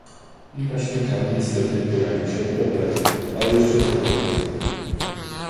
I właśnie tam niestety pojawił się problem, ale jeszcze do tego wrócę